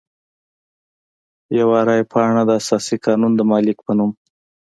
یوه رای پاڼه د اساسي قانون د مالک په نوم.